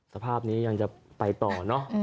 สภาพนี้ยังจะไปต่อเนอะ